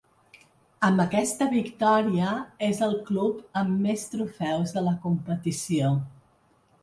Amb aquesta victòria és el club amb més trofeus de la competició.